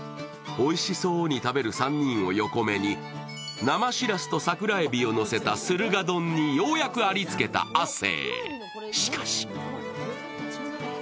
おいしそうに食べる３人を横目に生しらすと桜海老をのせたするが丼にようやくありつけた亜生。